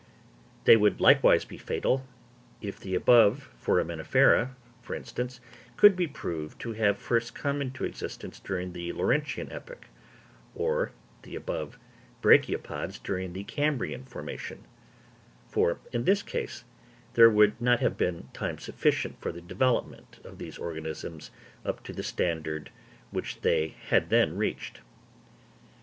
They would likewise be fatal, if the above Foraminifera, for instance, could be proved to have first come into existence during the Laurentian epoch, or the above Brachiopods during the Cambrian formation; for in this case, there would not have been time sufficient for the development of these organisms up to the standard which they had then reached.